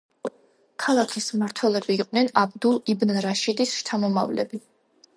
ქალაქის მმართველები იყვნენ აბდულ იბნ რაშიდის შთამომავლები.